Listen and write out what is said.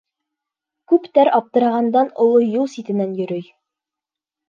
Күптәр аптырағандан оло юл ситенән йөрөй.